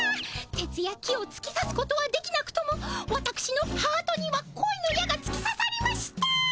鉄や木をつきさすことはできなくともわたくしのハートにはこいの矢がつきささりました！